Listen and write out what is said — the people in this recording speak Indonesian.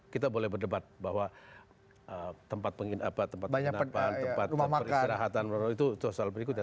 kita boleh berdebat bahwa tempat penginapan tempat peristirahatan itu soal berikutnya